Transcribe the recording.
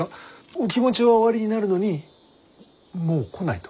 お気持ちはおありになるのにもう来ないと？